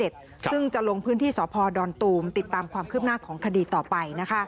ซึ่งจะลงพื้นที่สพดอนตูมติดตามความคืบหน้าของคดีต่อไป